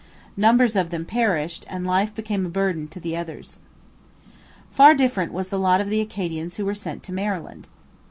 Numbers of them perished and life became a burden to the others. Far different was the lot of the Acadians who were sent to Maryland.